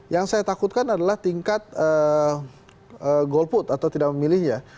yang saya takutkan adalah tingkat golput atau tidak memilihnya